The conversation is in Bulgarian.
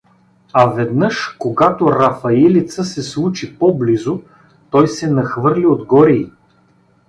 А веднъж, когато Рафаилица се случи по-близо, той се нахвърли отгоре й.